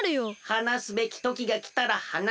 はなすべきときがきたらはなす。